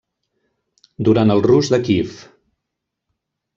Durant el Rus de Kíev.